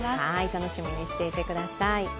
楽しみにしていてください。